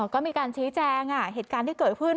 ก็มีการชี้แจงเหตุการณ์ที่เกิดขึ้น